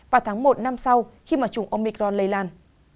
vào tháng một năm sau khi mà chủng omicron lây lan